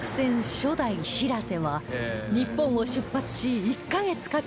初代しらせは日本を出発し１カ月かけ